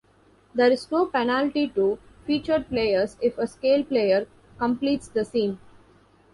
There is no penalty to "Featured" players if a "Scale" player completes the scene.